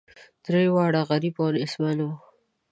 درې واړه غریب او نیستمن وه.